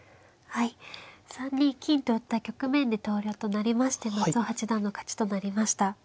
はい３二金と打った局面で投了となりまして松尾八段の勝ちとなりました。